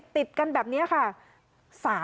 ติดกันแบบนี้ค่ะ